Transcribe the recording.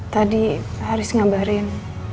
tadi haris ngabarin